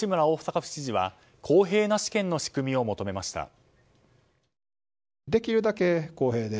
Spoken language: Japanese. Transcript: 大阪府知事は公平な試験の仕組みを求めました。